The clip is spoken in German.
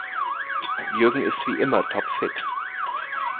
Jürgen ist wie immer topfit.